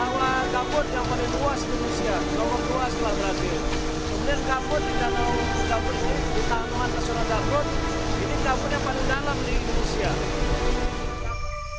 kemudian kamput di taman nasional zambrut ini kamput yang paling dalam di indonesia